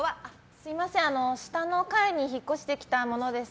すみません、下の階に引っ越してきた者です。